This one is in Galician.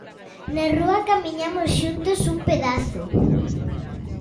Na rúa camiñamos xuntos un pedazo.